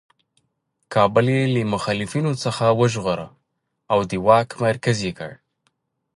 کابل یې له مخالفینو څخه وژغوره او د واک مرکز یې کړ.